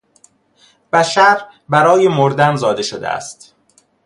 بشر برای مردن زاده شده است.